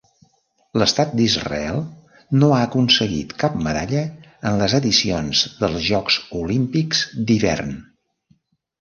L'Estat d'Israel no ha aconseguit cap medalla en les edicions dels Jocs Olímpics d'hivern.